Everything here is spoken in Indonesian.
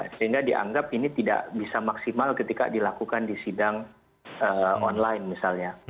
sehingga dianggap ini tidak bisa maksimal ketika dilakukan di sidang online misalnya